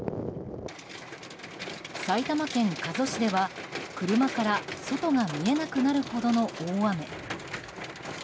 埼玉県加須市では車から外が見えなくなるほどの大雨。